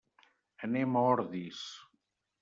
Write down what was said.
Anem a Ordis.